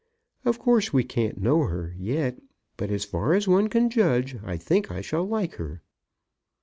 Of course, we can't know her yet; but as far as one can judge, I think I shall like her."